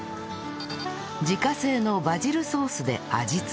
自家製のバジルソースで味付け